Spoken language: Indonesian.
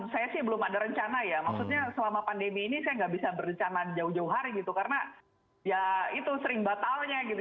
saya sih belum ada rencana ya maksudnya selama pandemi ini saya nggak bisa berencana di jauh jauh hari gitu karena ya itu sering batalnya gitu